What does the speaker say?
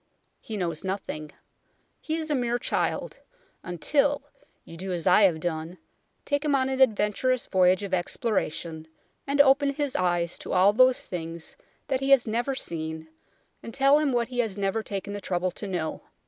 He knows nothing. He is a mere child ; until you do as I have done, take him on an adventurous voyage of exploration, and open his eyes to all those things that he has never seen, and tell him what he has never taken the trouble to know.